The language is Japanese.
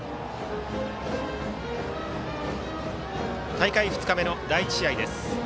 大会２日目の第１試合です。